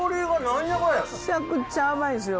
むちゃくちゃ甘いですよ